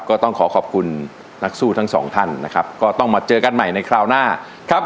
ก็ต้องขอขอบคุณนักสู้ทั้งสองท่านนะครับก็ต้องมาเจอกันใหม่ในคราวหน้าครับ